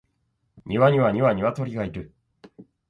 庭には二羽鶏がいる